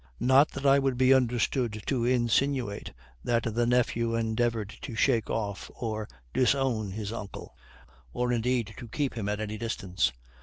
Not that I would be understood to insinuate that the nephew endeavored to shake off or disown his uncle, or indeed to keep him at any distance.